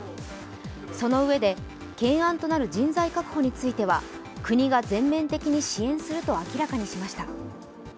そのうえで、懸案となる人材確保については国が全面的に支援すると明らかにしました。